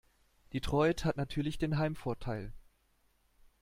Detroit hat natürlich den Heimvorteil.